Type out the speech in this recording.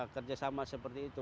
kerjasama seperti itu